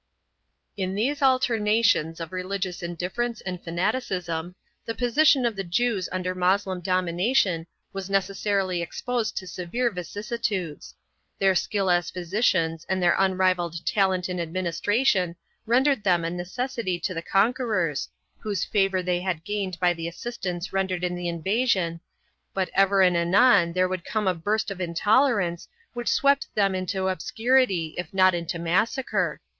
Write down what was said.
2 In these alternations of religious indifference and fanaticism, the position of the Jews under Moslem domination was neces sarily exposed to severe vicissitudes. Their skill as physicians and their unrivalled talent in administration rendered them a necessity to the conquerors, whose favor they had gained by the assistance rendered in the invasion, but ever and anon there would come a burst of intolerance which swept them into obscu rity if not into massacre.